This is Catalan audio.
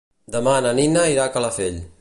Demà na Nina irà a Calafell.